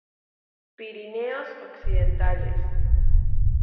Pirineos occidentales.